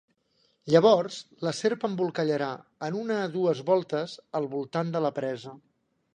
Llavors, la serp embolcallarà en una dues voltes al voltant de la presa.